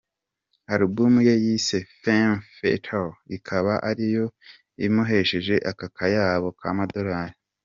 Album ye yise Femme Fatale, ikaba ariyo imuhesheje aka kayabo ka madorari.